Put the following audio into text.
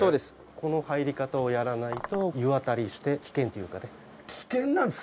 この入り方をやらないと湯あたりして危険というかね危険なんですか？